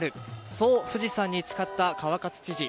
そう富士山に誓った川勝知事。